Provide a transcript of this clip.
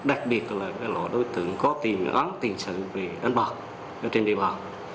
đặc biệt là các loại đối tượng có tình ấn tình sự về đánh bạc đối tượng đánh bạc